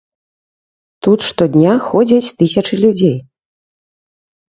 Тут штодня ходзяць тысячы людзей.